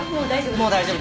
もう大丈夫。